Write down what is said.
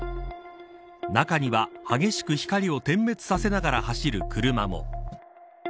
中には激しく光を点滅させながら走る車も。